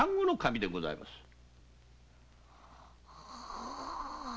守でございます。